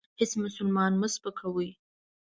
هیڅ مسلمان مه سپکوئ.